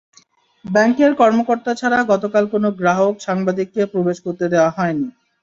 ব্যাংকের কর্মকর্তা ছাড়া গতকাল কোনো গ্রাহক, সাংবাদিককে প্রবেশ করতে দেওয়া হয়নি।